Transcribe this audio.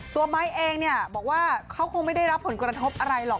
ไม้เองเนี่ยบอกว่าเขาคงไม่ได้รับผลกระทบอะไรหรอก